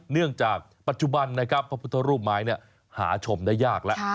เนื่องจากปัจจุบันนะครับพระพุทธรูปไม้หาชมได้ยากแล้ว